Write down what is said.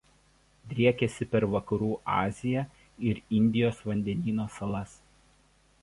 Driekiasi per Vakarų Aziją ir Indijos vandenyno salas.